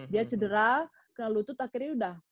dia cedera kena lutut akhirnya udah